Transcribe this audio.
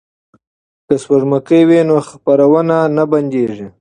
که سپوږمکۍ وي نو خپرونه نه بندیږي.